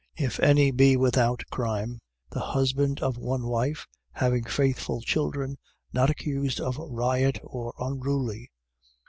If any be without crime, the husband of one wife. having faithful children, not accused of riot or unruly.